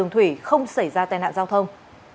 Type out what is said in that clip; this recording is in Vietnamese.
thủy không xảy ra tai nạn giao thông